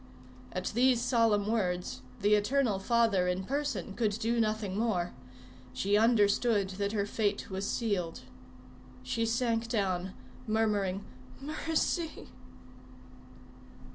At these solemn words, "the Eternal Father in person could do nothing more," she understood that her fate was sealed. She sank down, murmuring, "Mercy!"